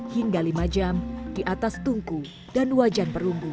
hingga lima jam di atas tungku dan wajan perumbu